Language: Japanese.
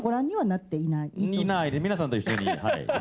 いない皆さんと一緒に今から。